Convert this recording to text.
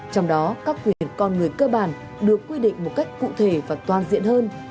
trong đó các quyền con người cơ bản được quy định một cách cụ thể và toàn diện hơn